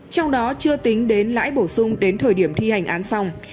trong đó chưa tính đến lãi bổ sung đến thời điểm thi hành án xong